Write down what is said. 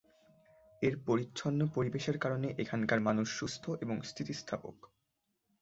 এর পরিচ্ছন্ন পরিবেশের কারণে এখানকার মানুষ সুস্থ এবং স্থিতিস্থাপক।